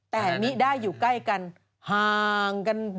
แต่มิได้อยู่ใกล้กันห่างกัน